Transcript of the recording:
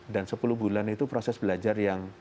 dan sepuluh bulan itu proses belajar